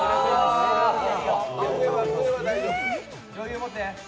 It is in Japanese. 余裕持って。